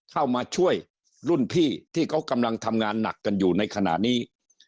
เข้ามาช่วยรุ่นพี่ที่เขากำลังทำงานหนักกันอยู่ในขณะนี้